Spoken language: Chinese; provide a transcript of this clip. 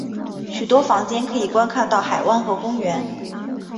许多房间可以观看到海湾和公园。